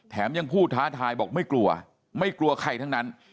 ยังพูดท้าทายบอกไม่กลัวไม่กลัวใครทั้งนั้น